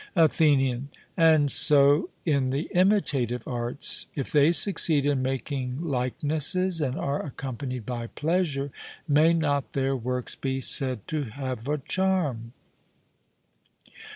ATHENIAN: And so in the imitative arts if they succeed in making likenesses, and are accompanied by pleasure, may not their works be said to have a charm?